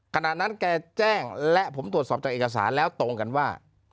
ขณะนั้นแกแจ้งและผมตรวจสอบจากเอกสารแล้วตรงกันว่า